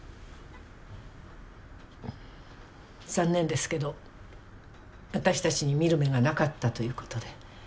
残念ですけど私たちに見る目がなかったという事で。